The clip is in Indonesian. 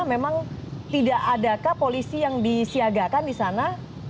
memang tidak adakah polisi yang disiagakan di sana